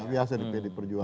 biasa di pedi perjuangan